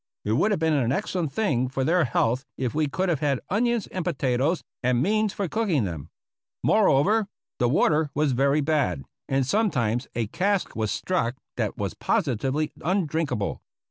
It would have been an excellent thing for their health if we could have had onions and potatoes, and means for cooking them. Moreover, the water was very bad, and sometimes a cask was struck that was positively undrinkable.